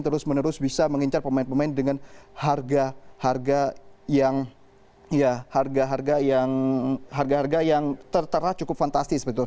terus menerus bisa mengincar pemain pemain dengan harga harga yang tertera cukup fantastis